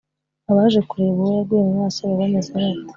Abaje kureba uwo yaguye mu maso baba bameze bate?